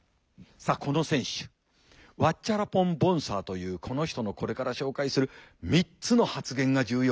さあこの選手ワッチャラポン・ボンサーというこの人のこれから紹介する「３つの発言」が重要。